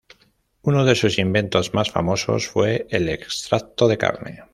Uno de sus inventos más famosos fue el extracto de carne.